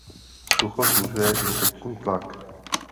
Sucho snižuje infekční tlak.